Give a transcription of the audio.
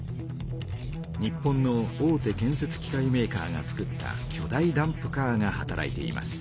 日本の大手建せつ機械メーカーがつくったきょ大ダンプカーが働いています。